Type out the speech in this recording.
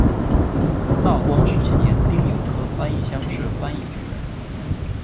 道光十七年丁酉科翻译乡试翻译举人。